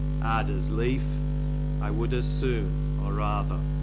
I'd OS leef, / would as soon or rather.